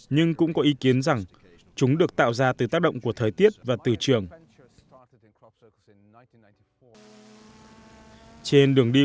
nhưng cũng có ý kiến rằng chúng được tạo ra từ tác động của thời tiết và từ trường